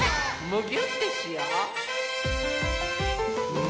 むぎゅってしよう！